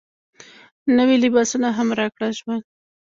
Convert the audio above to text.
نوي لباسونه هم راکړل شول.